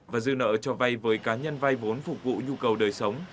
và dư nợ cho vay với cá nhân vay vốn phục vụ nhu cầu đời sống